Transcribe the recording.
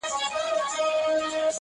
خبر سوم چي یو څرک یې لېونیو دی میندلی؛